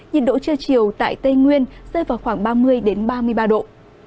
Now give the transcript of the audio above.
nhiệt độ trưa chiều tại tây nguyên rơi vào khoảng ba mươi ba mươi ba độ